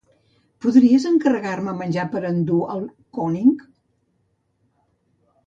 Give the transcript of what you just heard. Podries encarregar-me menjar per endur al König?